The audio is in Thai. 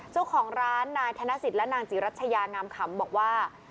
เจ้าของร้านนายธนสิทธิและนางจิรัชยางามขำบอกว่า